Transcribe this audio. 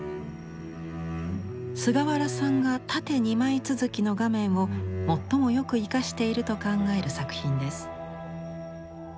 菅原さんが縦２枚続きの画面を最もよく生かしていると考える作品です。